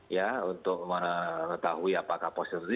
ya untuk mengetahui apakah positif